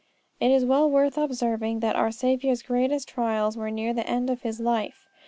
It is well worth observing that our Saviour's greatest trials were near the end of His life.